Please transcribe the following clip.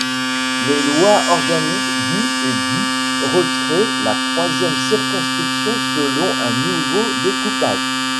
Les lois organiques du et du recréent la troisième circonscription selon un nouveau découpage.